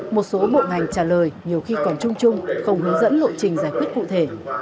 một số bộ ngành trả lời nhiều khi còn chung chung không hướng dẫn lộ trình giải quyết cụ thể